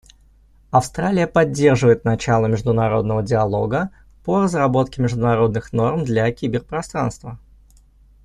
Австралия поддерживает начало международного диалога по разработке международных норм для киберпространства.